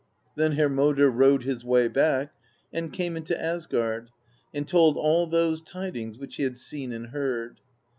"Then Hermodr rode his way back, and came into Asgard, and told all those tidings which he had seen and heard.